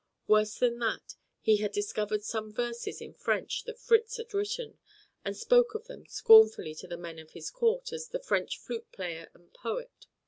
Worse than that, he had discovered some verses in French that Fritz had written, and spoke of him scornfully to the men of his court as "the French flute player and poet."